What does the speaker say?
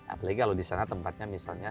apalagi kalau di sana tempatnya misalnya